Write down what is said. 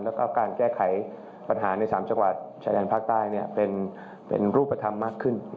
แล้วก็การแก้ไขปัญหาใน๓จังหวัดชายแดนภาคใต้เป็นรูปธรรมมากขึ้น